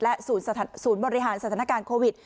และสูรบริหารสถานการณ์โควิด